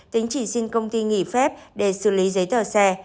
tính chỉ xin công ty nghỉ phép để xử lý giấy tờ xe